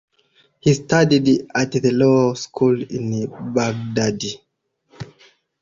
He studied at the Law School in Baghdad.